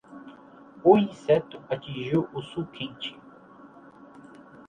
O inseto atingiu o sul quente.